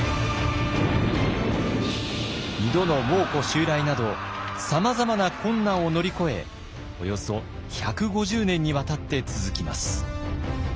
二度の蒙古襲来などさまざまな困難を乗り越えおよそ１５０年にわたって続きます。